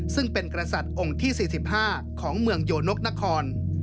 ซึ่งเป็นกษัตริย์องค์ที่๔๕ของเมืองโยนกนคร